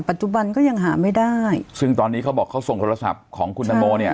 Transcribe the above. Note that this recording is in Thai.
ก็ยังหาไม่ได้ซึ่งตอนนี้เขาบอกเขาส่งโทรศัพท์ของคุณตังโมเนี่ย